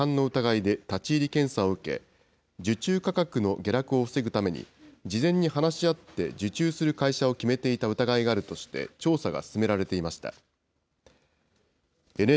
これらの会社は、おととし、独占禁止法違反の疑いで、立ち入り検査を受け、受注価格の下落を防ぐために、事前に話し合って、受注する会社を決めていた疑いがあるとして、調査が進められていました。